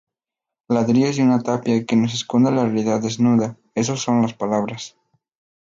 Ladrillos de una tapia que nos esconde la realidad desnuda, eso son las palabras".